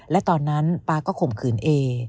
และตอนนั้นป๊าก็ข่มขืนเอ